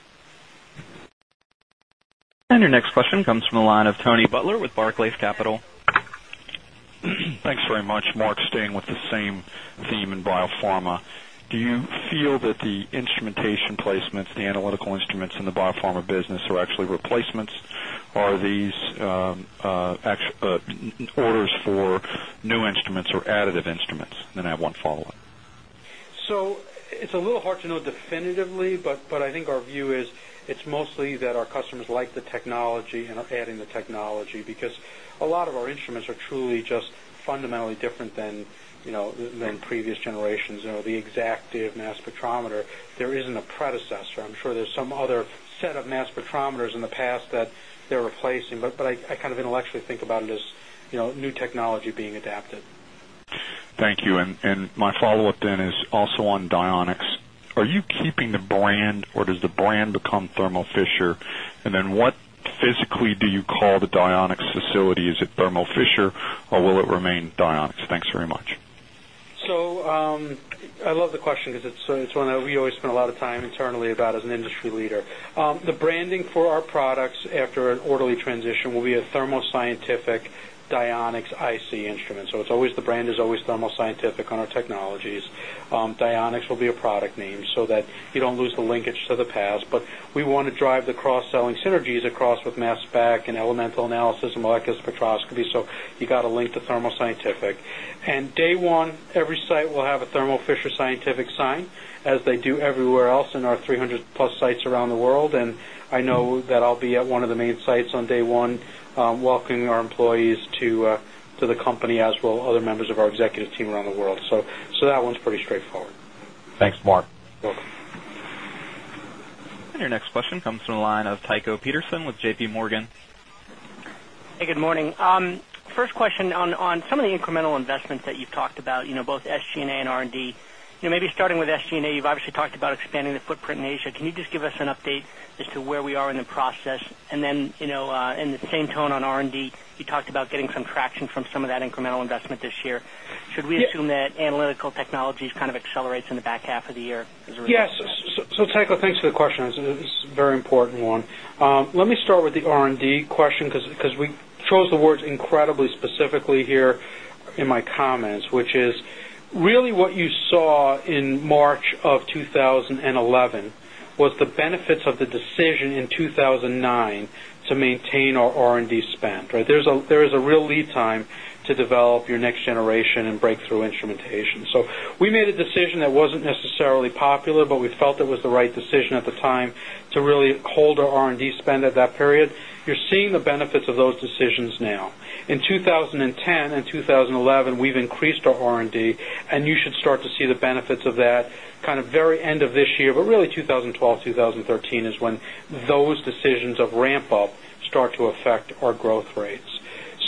Your next question comes from a line of Tony Butler with Barclays Capital. Thanks very much, Marc. Staying with the same theme in BioPharma, do you feel that the instrumentation placements, the analytical instruments in the BioPharma business, are actually replacements, or are these orders for new instruments or additive instruments? I have one follow-up. It's a little hard to know definitively, but I think our view is it's mostly that our customers like the technology and are adding the technology because a lot of our instruments are truly just fundamentally different than previous generations. You know, the Exactive mass spectrometer, there isn't a predecessor. I'm sure there's some other set of mass spectrometers in the past that they're replacing, but I kind of intellectually think about it as new technology being adapted. Thank you, and my follow-up then is also on Dionex. Are you keeping the brand, or does the brand become Thermo Fisher, and then what physically do you call the Dionex facility? Is it Thermo Fisher, or will it remain Dionex? Thanks very much. I love the question because it's one that we always spend a lot of time internally about as an industry leader. The branding for our products after an orderly transition will be a Thermo Scientific Dionex IC instrument, so the brand is always Thermo Scientific on our technologies. Dionex will be a product name so that you don't lose the linkage to the past, but we want to drive the cross-selling synergies across with mass spec and elemental analysis and molecular spectroscopy, so you got to link to Thermo Scientific. Day one, every site will have a Thermo Fisher Scientific sign, as they do everywhere else in our 300+ sites around the world, and I know that I'll be at one of the main sites on day one welcoming our employees to the company, as will other members of our executive team around the world, so that one's pretty straightforward. Thanks, Marc. You're welcome. Your next question comes from a line of Tycho Peterson with JPMorgan. Hey, good morning. First question on some of the incremental investments that you've talked about, both SG&A and R&D. Maybe starting with SG&A, you've obviously talked about expanding the footprint in Asia. Can you just give us an update as to where we are in the process? In the same tone on R&D, you talked about getting some traction from some of that incremental investment this year. Should we assume that analytical technologies kind of accelerate in the back half of the year? Yes. Tycho, thanks for the question. It's a very important one. Let me start with the R&D question because we chose the words incredibly specifically here in my comments, which is really what you saw in March of 2011 was the benefits of the decision in 2009 to maintain our R&D spend, right? There is a real lead time to develop your next generation and breakthrough instrumentation. We made a decision that wasn't necessarily popular, but we felt it was the right decision at the time to really hold our R&D spend at that period. You're seeing the benefits of those decisions now. In 2010 and 2011, we've increased our R&D, and you should start to see the benefits of that kind of very end of this year, but really 2012-2013 is when those decisions of ramp-up start to affect our growth rates.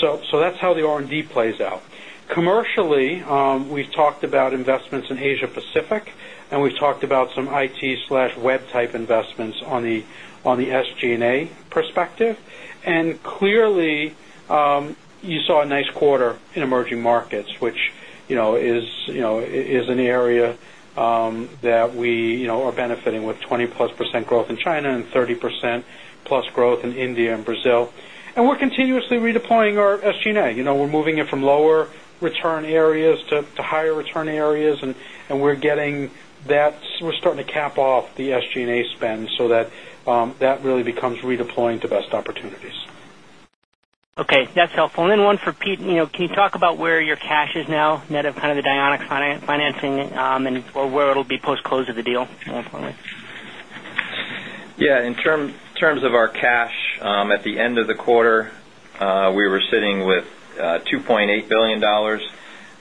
That's how the R&D plays out. Commercially, we've talked about investments in Asia-Pacific, and we've talked about some IT/web type investments on the SG&A perspective. Clearly, you saw a nice quarter in emerging markets, which is an area that we are benefiting with 20%+ growth in China and 30%+ growth in India and Brazil. We're continuously redeploying our SG&A. We're moving it from lower return areas to higher return areas, and we're getting debts, we're starting to cap off the SG&A spend so that that really becomes redeploying to best opportunities. Okay, that's helpful. One for Pete, can you talk about where your cash is now, net of the Dionex financing, and where it'll be post-close of the deal, more importantly? Yeah, in terms of our cash, at the end of the quarter, we were sitting with $2.8 billion.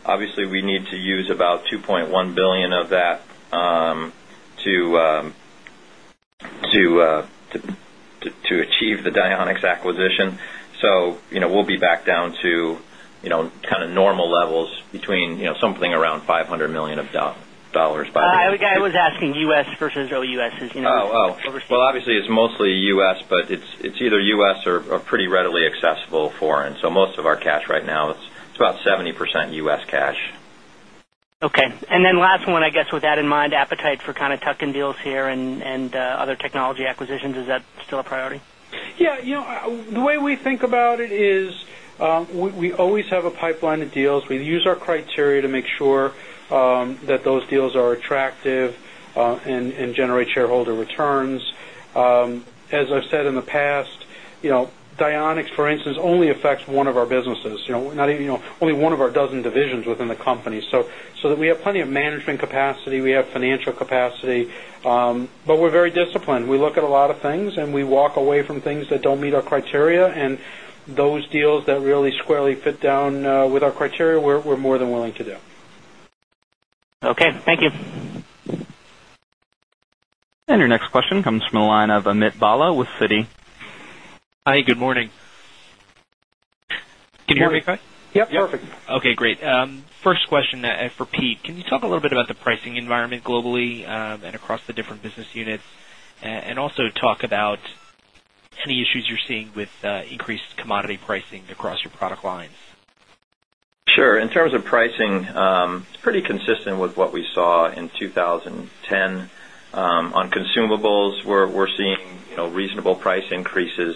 Obviously, we need to use about $2.1 billion of that to achieve the Dionex acquisition. We'll be back down to kind of normal levels, something around $500 million by the end. I was asking U.S. versus OUS, you know. Oh, wow. Obviously, it's mostly U.S., but it's either U.S. or pretty readily accessible foreign. Most of our cash right now, it's about 70% U.S. cash. Okay. With that in mind, appetite for kind of tuck-in deals here and other technology acquisitions, is that still a priority? Yeah, you know, the way we think about it is we always have a pipeline of deals. We use our criteria to make sure that those deals are attractive and generate shareholder returns. As I've said in the past, you know, Dionex, for instance, only affects one of our businesses, you know, not even, you know, only one of our dozen divisions within the company. We have plenty of management capacity, we have financial capacity, but we're very disciplined. We look at a lot of things, and we walk away from things that don't meet our criteria, and those deals that really squarely fit down with our criteria, we're more than willing to do. Okay, thank you. Your next question comes from a line of Amit Bhalla with Citi. Hi, good morning. Can you hear me, okay? Yep, perfect. Okay, great. First question for Pete, can you talk a little bit about the pricing environment globally and across the different business units, and also talk about any issues you're seeing with increased commodity pricing across your product lines? Sure. In terms of pricing, it's pretty consistent with what we saw in 2010. On consumables, we're seeing reasonable price increases.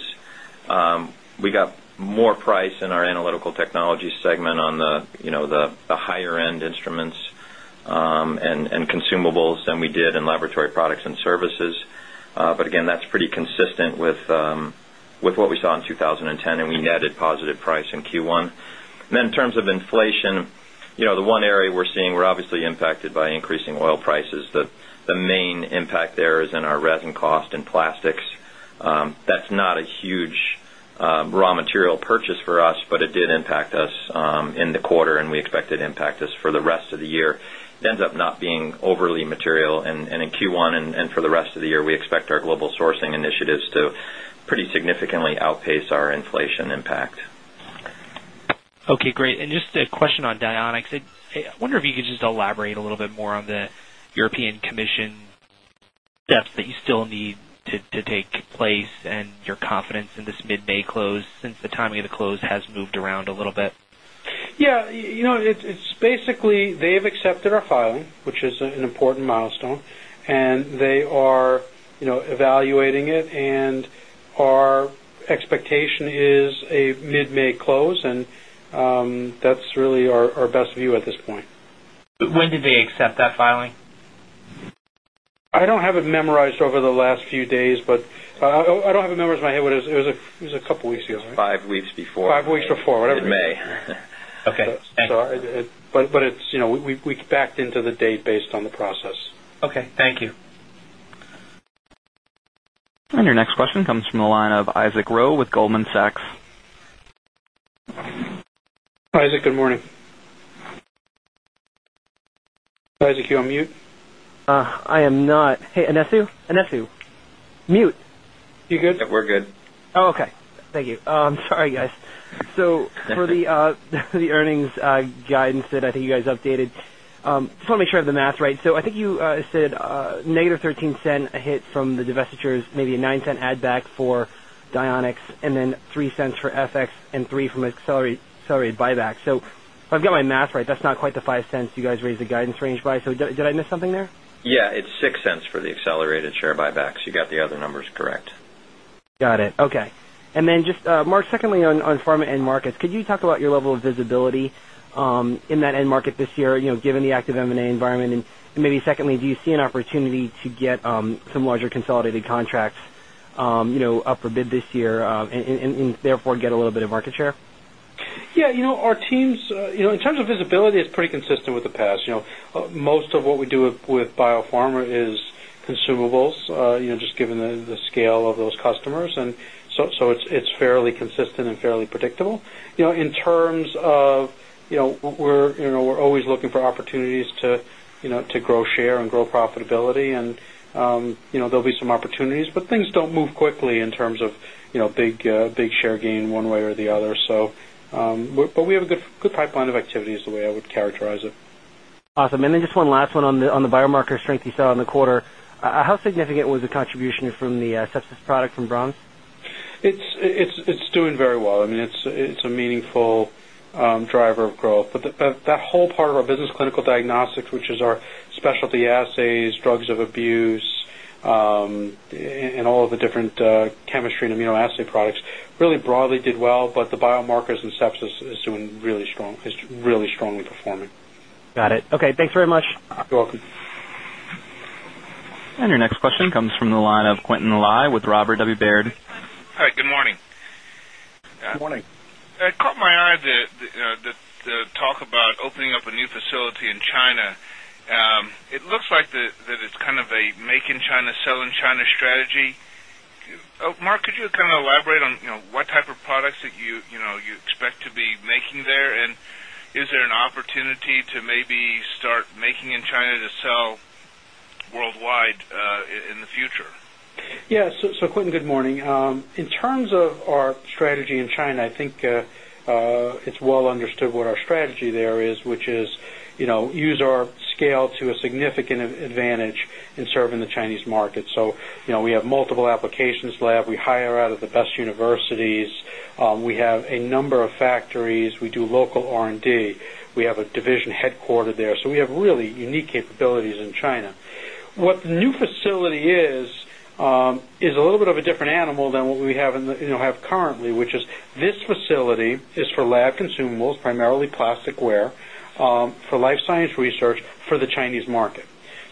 We got more price in our Analytical Technology segment on the higher-end instruments and consumables than we did in Laboratory Products and Services. That's pretty consistent with what we saw in 2010, and we netted positive price in Q1. In terms of inflation, the one area we're seeing, we're obviously impacted by increasing oil prices. The main impact there is in our resin cost and plastics. That's not a huge raw material purchase for us, but it did impact us in the quarter, and we expect it to impact us for the rest of the year. It ends up not being overly material, and in Q1 and for the rest of the year, we expect our global sourcing initiatives to pretty significantly outpace our inflation impact. Okay, great. Just a question on Dionex. I wonder if you could just elaborate a little bit more on the European Commission steps that you still need to take place and your confidence in this mid-May close since the timing of the close has moved around a little bit. Yeah, it's basically, they've accepted our filing, which is an important milestone, and they are evaluating it, and our expectation is a mid-May close, and that's really our best view at this point. When did they accept that filing? I don't have it memorized over the last few days, but I don't have it memorized in my head. It was a couple of weeks ago, isn't it? Five weeks before. Five weeks before, whatever. In May. Okay, thanks. It's, you know, we backed into the date based on the process. Okay, thank you. Your next question comes from a line of Isaac Ro with Goldman Sachs. Isaac, good morning. Isaac, you on mute? I am not. Hey, [Anefu,] mute? You good? Yeah, we're good. Okay. Thank you. Sorry, guys. For the earnings guidance that I think you guys updated, I just want to make sure I have the math right. I think you said -$0.13 a hit from the divestitures, maybe a $0.09 add-back for Dionex, and then $0.03 for FX, and $3 from accelerated buybacks. If I've got my math right, that's not quite the $0.05 you guys raised the guidance range by. Did I miss something there? Yeah, it's $0.06 for the accelerated share buybacks. You got the other numbers correct. Got it. Okay. Marc, secondly, on Pharma end markets, could you talk about your level of visibility in that end market this year, given the active M&A environment? Maybe secondly, do you see an opportunity to get some larger consolidated contracts up for bid this year and therefore get a little bit of market share? Yeah, our teams, in terms of visibility, it's pretty consistent with the past. Most of what we do with BioPharma is consumables, just given the scale of those customers, and so it's fairly consistent and fairly predictable. In terms of, we're always looking for opportunities to grow share and grow profitability, and there'll be some opportunities, but things don't move quickly in terms of big share gain one way or the other. We have a good pipeline of activities the way I would characterize it. Awesome. Just one last one on the biomarker strength you saw in the quarter. How significant was the contribution from the sepsis product from Brahms? It's doing very well. I mean, it's a meaningful driver of growth. That whole part of our business, clinical diagnostics, which is our specialty assays, drugs of abuse, and all of the different chemistry and amino acid products, really broadly did well. The biomarkers and sepsis are doing really strong, really strongly performing. Got it. Okay, thanks very much. You're welcome. Your next question comes from the line of Quintin Lai with Robert W. Baird. All right, good morning. Good morning. It caught my eye that the talk about opening up a new facility in China. It looks like that it's kind of a make in China, sell in China strategy. Marc, could you elaborate on what type of products that you expect to be making there, and is there an opportunity to maybe start making in China to sell worldwide in the future? Yeah, so, Quintin, good morning. In terms of our strategy in China, I think it's well understood what our strategy there is, which is, you know, use our scale to a significant advantage in serving the Chinese market. We have multiple applications lab, we hire out of the best universities, we have a number of factories, we do local R&D, we have a division headquartered there, so we have really unique capabilities in China. What the new facility is, is a little bit of a different animal than what we have currently, which is this facility is for lab consumables, primarily plasticware, for life science research for the Chinese market.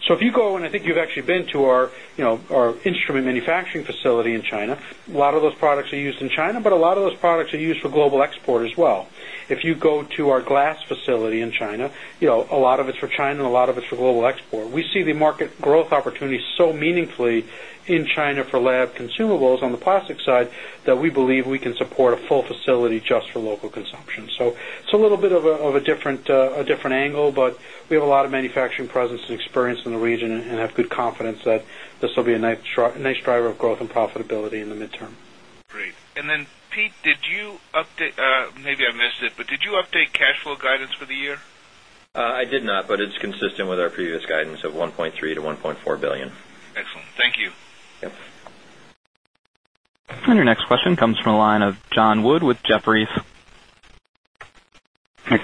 If you go, and I think you've actually been to our instrument manufacturing facility in China, a lot of those products are used in China, but a lot of those products are used for global export as well. If you go to our glass facility in China, a lot of it's for China and a lot of it's for global export. We see the market growth opportunity so meaningfully in China for lab consumables on the plastic side that we believe we can support a full facility just for local consumption. It's a little bit of a different angle, but we have a lot of manufacturing presence and experience in the region and have good confidence that this will be a nice driver of growth and profitability in the midterm. Great. Pete, did you update, maybe I missed it, but did you update cash flow guidance for the year? I did not, but it's consistent with our previous guidance of $1.3 billion-$1.4 billion. Excellent. Thank you. Yep. Your next question comes from a line of John Wood with Jefferies.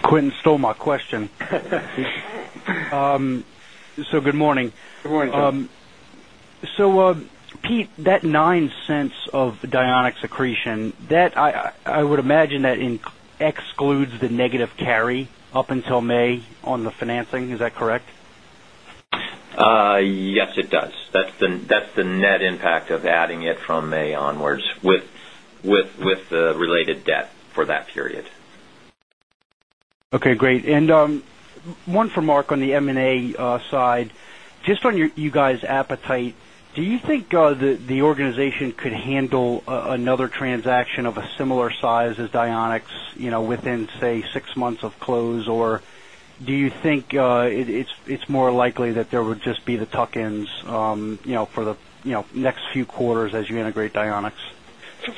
Quintin stole my question. Good morning. Good morning. Pete, that $0.09 of Dionex accretion, I would imagine that excludes the negative carry up until May on the financing. Is that correct? Yes, it does. That's the net impact of adding it from May onwards with the related debt for that period. Okay, great. One for Marc on the M&A side. Just on your guys' appetite, do you think the organization could handle another transaction of a similar size as Dionex, you know, within, say, six months of close, or do you think it's more likely that there would just be the tuck-ins, you know, for the next few quarters as you integrate Dionex?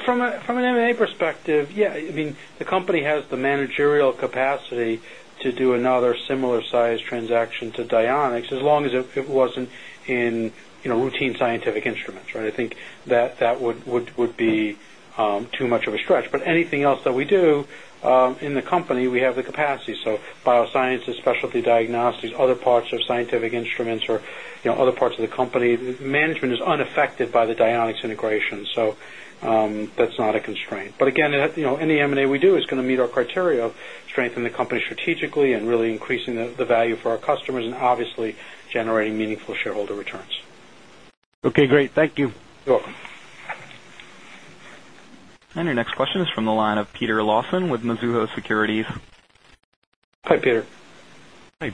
From an M&A perspective, yeah, I mean, the company has the managerial capacity to do another similar size transaction to Dionex as long as it wasn't in, you know, routine scientific instruments, right? I think that would be too much of a stretch, but anything else that we do in the company, we have the capacity. Bioscience and specialty diagnostics, other parts of scientific instruments or, you know, other parts of the company, management is unaffected by the Dionex integration, so that's not a constraint. Again, you know, any M&A we do is going to meet our criteria of strengthening the company strategically and really increasing the value for our customers and obviously generating meaningful shareholder returns. Okay, great. Thank you. You're welcome. Your next question is from the line of Peter Lawson with Mizuho Securities. Hi, Peter. Hi.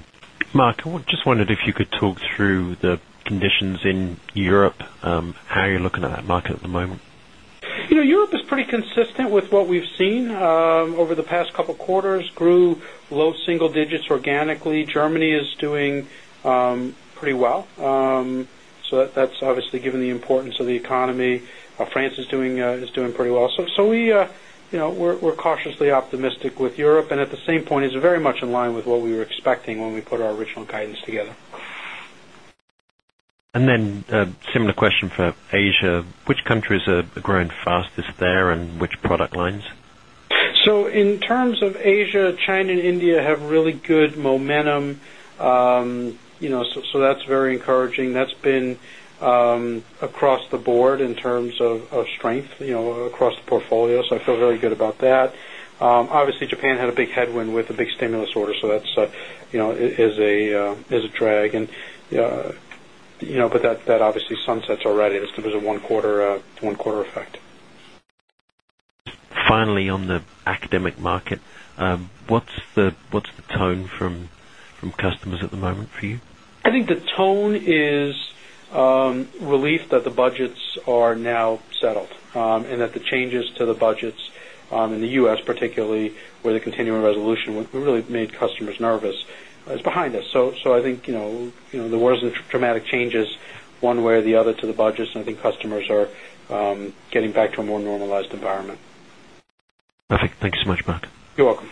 Marc, I just wondered if you could talk through the conditions in Europe, how you're looking at that market at the moment. Europe is pretty consistent with what we've seen over the past couple of quarters, grew low single digits organically. Germany is doing pretty well, given the importance of the economy. France is doing pretty well. We're cautiously optimistic with Europe, and at the same point, it's very much in line with what we were expecting when we put our original guidance together. A similar question for Asia. Which countries are growing fastest there and which product lines? In terms of Asia, China and India have really good momentum, you know, so that's very encouraging. That's been across the board in terms of strength, you know, across the portfolio, so I feel very good about that. Obviously, Japan had a big headwind with a big stimulus order, so that's, you know, a drag, but that obviously sunsets already. There's a one-quarter effect. Finally, on the academic market, what's the tone from customers at the moment for you? I think the tone is relief that the budgets are now settled and that the changes to the budgets in the U.S., particularly where the continuing resolution really made customers nervous, is behind us. I think there were some dramatic changes one way or the other to the budgets, and I think customers are getting back to a more normalized environment. Perfect. Thank you so much, Marc. You're welcome.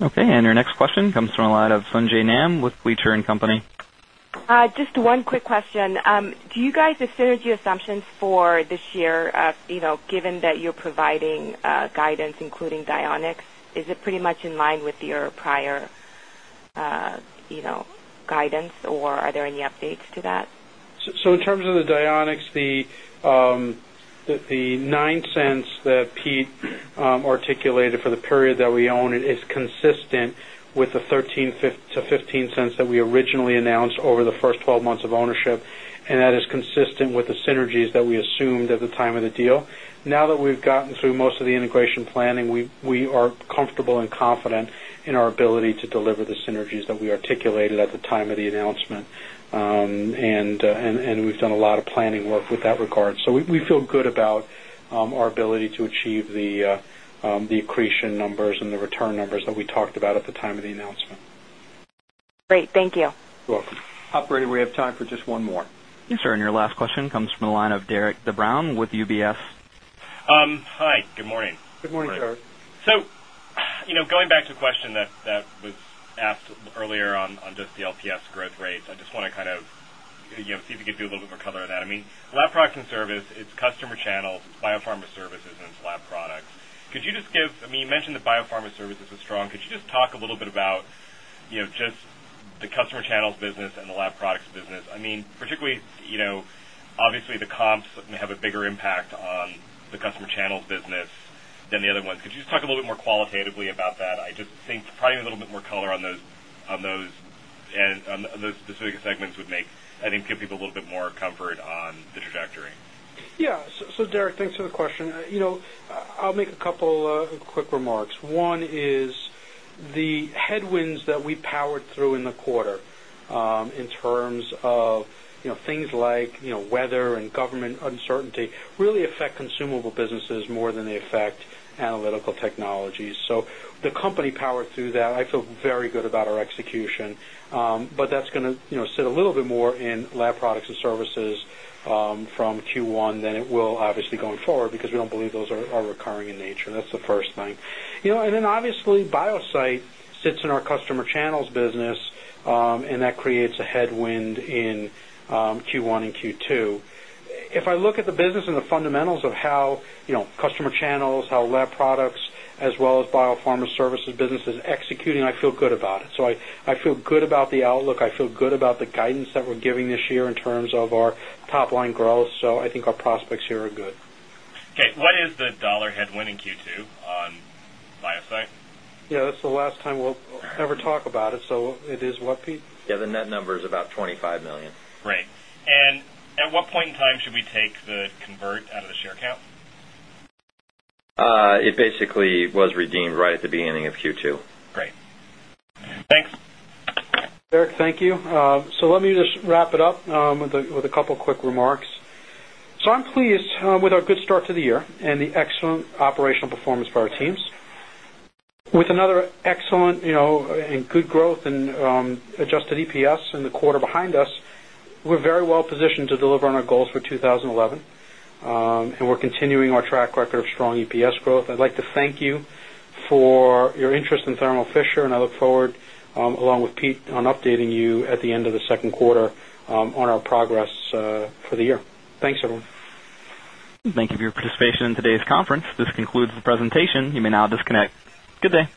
Okay, our next question comes from the line of Sung Ji Nam with Gleacher & Company. Just one quick question. Do you guys, the synergy assumptions for this year, you know, given that you're providing guidance including Dionex, is it pretty much in line with your prior, you know, guidance, or are there any updates to that? In terms of the Dionex, the $0.09 that Pete articulated for the period that we own is consistent with the $0.13-$0.15 that we originally announced over the first 12 months of ownership, and that is consistent with the synergies that we assumed at the time of the deal. Now that we've gotten through most of the integration planning, we are comfortable and confident in our ability to deliver the synergies that we articulated at the time of the announcement, and we've done a lot of planning work with that regard. We feel good about our ability to achieve the accretion numbers and the return numbers that we talked about at the time of the announcement. Great, thank you. You're welcome. Operator, we have time for just one more. Yes, sir, your last question comes from the line of Derik de Bruin with UBS. Hi, good morning. Good morning, sir. Going back to the question that was asked earlier on just the LPS growth rates, I just want to see if we could do a little bit more color Lab Products and Service, it's Customer Channels, BioPharma Services, and Lab Products. could you just give, I mean, you mentioned that BioPharma Services was strong. Could you just talk a little bit about the Customer Channels business and Lab Products business? I mean, particularly, obviously the comps have a bigger impact on the Customer Channels business than the other ones. Could you just talk a little bit more qualitatively about that? I just think providing a little bit more color on those and on those specific segments would give people a little bit more comfort on the trajectory. Yeah, so, Derik, thanks for the question. I'll make a couple of quick remarks. One is the headwinds that we powered through in the quarter in terms of things like weather and government uncertainty really affect consumable businesses more than they affect analytical technologies. The company powered through that. I feel very good about our execution, but that's going to sit a little bit more Lab Products and Services from Q1 than it will obviously going forward because we don't believe those are recurring in nature. That's the first thing. Obviously, Biosite sits in our Customer Channels business, and that creates a headwind in Q1 and Q2. If I look at the business and the fundamentals of how Customer Channels, Lab Products, as well as BioPharma Services business is executing, I feel good about it. I feel good about the outlook.I feel good about the guidance that we're giving this year in terms of our top line growth. I think our prospects here are good. Okay, what is the dollar headwind in Q2 on Biosite? That's the last time we'll ever talk about it. It is what, Pete? Yeah, the net number is about $25 million. Right. At what point in time should we take the convert out of the share count? It basically was redeemed right at the beginning of Q2. Right. Thanks. Derik, thank you. Let me just wrap it up with a couple of quick remarks. I'm pleased with our good start to the year and the excellent operational performance by our teams. With another excellent, you know, and good growth and adjusted EPS in the quarter behind us, we're very well positioned to deliver on our goals for 2011, and we're continuing our track record of strong EPS growth. I'd like to thank you for your interest in Thermo Fisher and I look forward, along with Pete, on updating you at the end of the second quarter on our progress for the year. Thanks, everyone. Thank you for your participation in today's conference. This concludes the presentation. You may now disconnect. Good day.